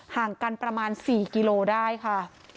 ห่างกันประมาณ๔กิโลได้ค่ะ